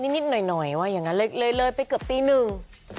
นิดหน่อยหน่อยว่าอย่างนั้นเลยเลยไปเกือบตีหนึ่ง